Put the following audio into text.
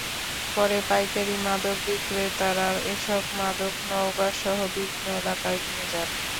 পরে পাইকারি মাদক বিক্রেতারা এসব মাদক নওগাঁসহ বিভিন্ন এলাকায় নিয়ে যান।